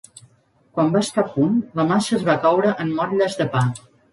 Quan va estar a punt, la massa es va coure en motlles de pa.